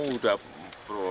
oh sudah pro